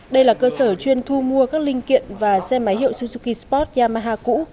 đây là cơ sở chuyên thu mua các linh kiện và xe máy hiệu suzuki sport yamaha cũ